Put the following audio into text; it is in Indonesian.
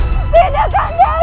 dan membuatnya terjadi